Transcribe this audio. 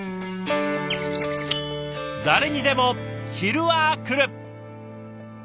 誰にでも昼はくる。